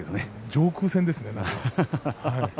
上空戦ですね。